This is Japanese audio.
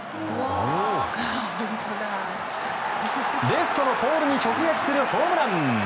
レフトのポールに直撃するホームラン！